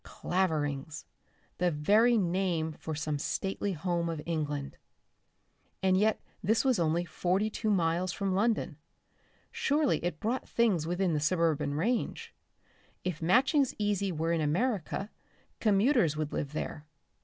Claverings! The very name for some stately home of England.... And yet this was only forty two miles from London. Surely it brought things within the suburban range. If Matching's Easy were in America, commuters would live there.